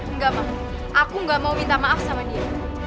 enggak pak aku gak mau minta maaf sama dia